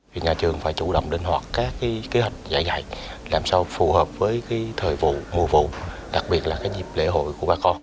vì nhà trường phải chủ động đến hoạt các kế hoạch dạy dạy làm sao phù hợp với thời vụ mùa vụ đặc biệt là dịp lễ hội của các con